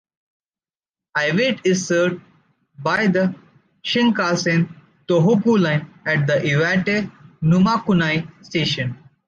Iwate is served by the Shinkansen Tōhoku line at the Iwate-Numakunai station.